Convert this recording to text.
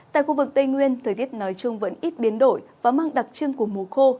tại khu vực tây nguyên thời tiết nói chung vẫn ít biến đổi và mang đặc trưng của mùa khô